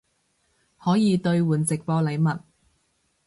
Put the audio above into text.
可以兑换直播禮物